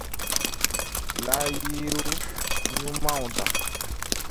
layiruɲumanw ta.